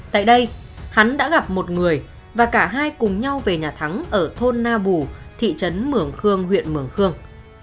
tại đây hắn đã gặp một người và cả hai cùng nhau về nhà thắng ở thôn na bù thị trấn mường khương huyện mường khương